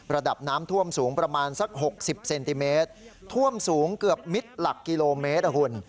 ระดับน้ำท่วมสูงประมาณสัก๖๐เซนติเมตรท่วมสูงเกือบมิตรหลักกิโลเมตรนะคุณ